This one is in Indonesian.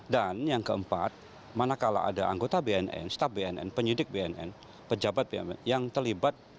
dan yang keempat manakala ada anggota bnn setap bnn penyidik bnn pejabat bnn yang terlibat